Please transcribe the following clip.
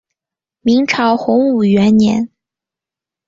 明朝洪武元年。